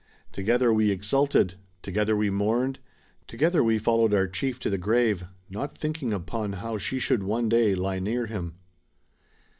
Together we exulted; together we mourned; together we followed our chief to the grave, not thinking upon how she should one day lie near him.